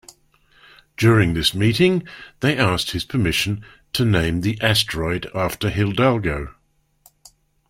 During this meeting, they asked his permission to name the asteroid after Hidalgo.